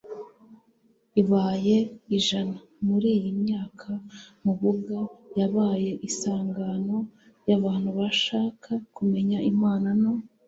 ibaye ijana. muri iyi myaka mubuga yabaye isangano ry'abantu bashaka kumenya imana no